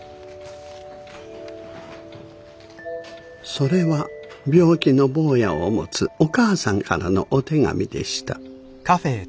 それは病気の坊やを持つお母さんからのお手紙でした。